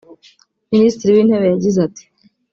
Ministiri w’Intebe yagize ati